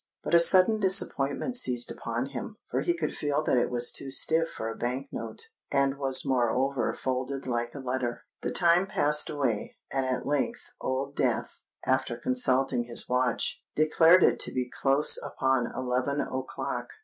But a sudden disappointment seized upon him—for he could feel that it was too stiff for a bank note, and was moreover folded like a letter. The time passed away; and at length Old Death, after consulting his watch, declared it to be close upon eleven o'clock.